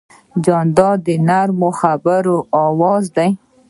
جانداد د نرمو خبرو آواز دی.